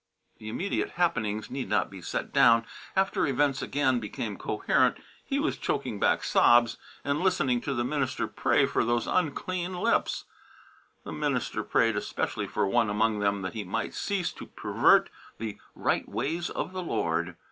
The immediate happenings need not be set down. After events again became coherent he was choking back sobs and listening to the minister pray for those of unclean lips. And the minister prayed especially for one among them that he might cease to pervert the right ways of the Lord.